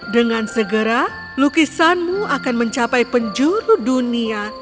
dengan segera lukisanmu akan mencapai penjuru dunia